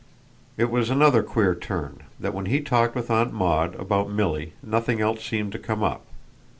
It was another queer turn that when he talked with Aunt Maud about Milly nothing else seemed to come up.